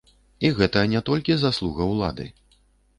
І гэта не толькі заслуга ўлады.